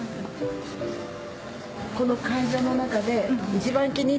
この会場の中で。